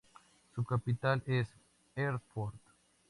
Su capital es Hertford.